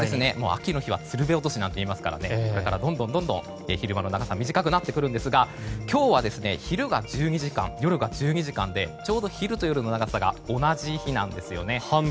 秋の日は釣瓶落としなんていいますからどんどん昼間の長さ短くなっていくんですが今日は昼が１２時間夜が１２時間でちょうど昼と夜の長さが同じ日です。